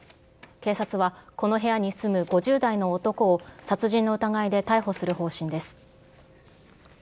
警察はこの部屋に住む５０代の男を殺人の疑いで逮捕する方針です。